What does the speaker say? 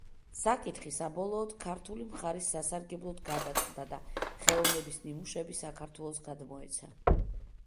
საკითხი საბოლოოდ ქართული მხარის სასარგებლოდ გადაწყდა და ხელოვნების ნიმუშები საქართველოს გადმოეცა.